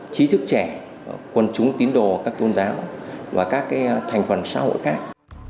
trí thức trẻ quân chúng tín đồ các tôn giáo và các thành phần xã hội khác